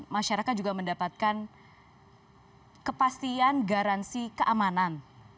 masyarakat juga mendapatkan kepastian garansi keamanan